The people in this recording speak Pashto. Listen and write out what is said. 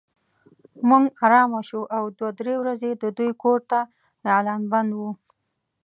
موږ ارامه شوو او دوه درې ورځې د دوی کور ته اعلان بند و.